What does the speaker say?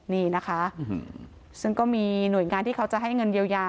นี่นะคะซึ่งก็มีหน่วยงานที่เขาจะให้เงินเยียวยา